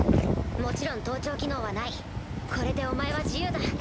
もちろん盗聴機能はないこれでお前は自由だ。